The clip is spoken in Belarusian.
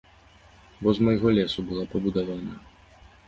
Бо з майго лесу была пабудавана.